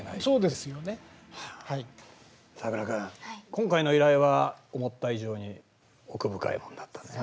今回の依頼は思った以上に奥深いものだったね。